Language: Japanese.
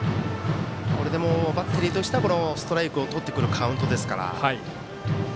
バッテリーとしたらストライクをとってくるカウントですから。